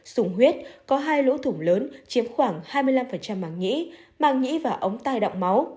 sùng huyết có hai lũ thủng lớn chiếm khoảng hai mươi năm màng nhĩ màng nhĩ và ống tai đọng máu